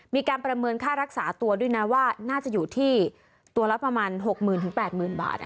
มีการประเมินค่ารักษาตัวด้วยนะว่าน่าจะอยู่ที่ตัวละประมาณ๖๐๐๐๘๐๐๐บาท